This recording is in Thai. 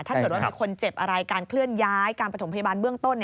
ถ้าเกิดว่ามีคนเจ็บอะไรการเคลื่อนย้ายการประถมพยาบาลเบื้องต้น